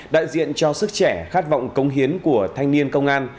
đại diện cho sức trẻ khát vọng cống hiến của thanh niên công an